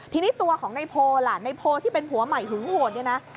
ทีนี้ตัวของในโพลล่ะในโพที่เป็นผัวใหม่หึงโหดเนี่ยนะ